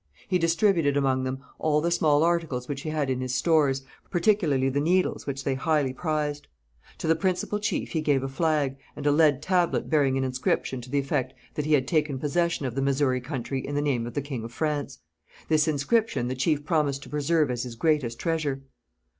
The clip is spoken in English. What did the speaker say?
He distributed among them all the small articles which he had in his stores, particularly the needles, which they highly prized. To the principal chief he gave a flag, and a lead tablet bearing an inscription to the effect that he had taken possession of the Missouri country in the name of the king of France. This inscription the chief promised to preserve as his greatest treasure.